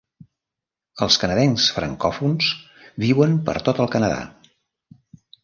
Els canadencs francòfons viuen per tot el Canadà.